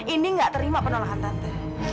indi gak terima penolakan tante